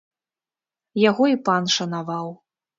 Яго і пан шанаваў.